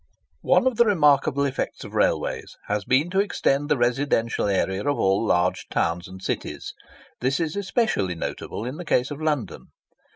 One of the remarkable effects of railways has been to extend the residential area of all large towns and cities. This is especially notable in the case of London.